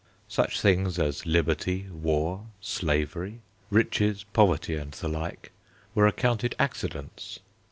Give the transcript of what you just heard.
Such things as liberty, war, slavery, riches, poverty, and the like, were accounted accidents.